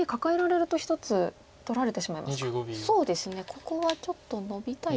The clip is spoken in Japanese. ここはちょっとノビたいところ。